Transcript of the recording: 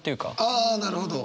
ああなるほど。